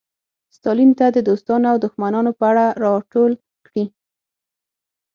ستالین ته د دوستانو او دښمنانو په اړه راټول کړي.